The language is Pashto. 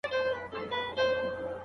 د قاف د شاپيرو امېل دې غاړه کې زنگيږي